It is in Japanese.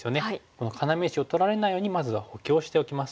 この要石を取られないようにまずは補強しておきます。